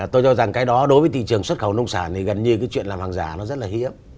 tôi cho rằng cái đó đối với thị trường xuất khẩu nông sản thì gần như cái chuyện là hàng giả nó rất là hiếm